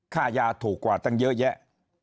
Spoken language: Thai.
ค่ายาถูกกว่าตั้งเยอะแยะ